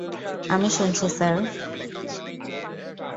আমি শুনছি, স্যার।